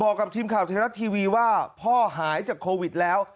กับทีมข่าวไทยรัฐทีวีว่าพ่อหายจากโควิดแล้ว